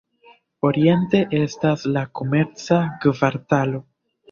Oriente estas la komerca kvartalo.